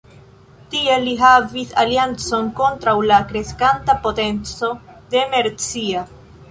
Tiel li havis aliancon kontraŭ la kreskanta potenco de Mercia.